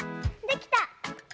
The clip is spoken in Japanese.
できた！